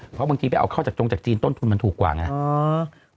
เพราะบางทีไปเอาเข้าจากจงจากจีนต้นทุนมันถูกกว่าไง